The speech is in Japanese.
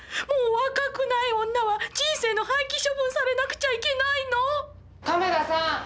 もう若くない女は人生の廃棄処分されなくちゃいけないの⁉亀田さん！